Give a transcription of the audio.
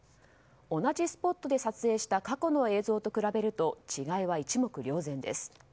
同じスポットで撮影した過去の映像と比べると違いは一目瞭然です。